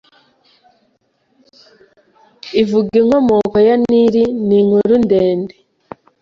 ivuga inkomoko ya Nili ni inkuru ndende